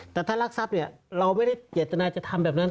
แต่ถ้ารักษัพเราไม่ได้เกียรตินาจะทำแบบนั้น